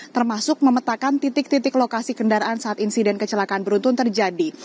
termasuk memetakan titik titik lokasi kendaraan saat insiden kecelakaan beruntun terjadi